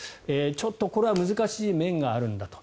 ちょっとこれは難しい面があるんだと。